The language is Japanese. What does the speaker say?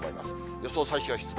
予想最小湿度。